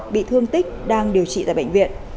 bị thương tích đang điều trị tại bệnh viện